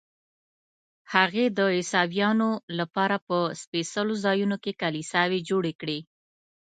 هغې د عیسویانو لپاره په سپېڅلو ځایونو کې کلیساوې جوړې کړې.